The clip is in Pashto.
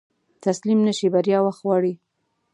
تسليم نشې، بريا وخت غواړي.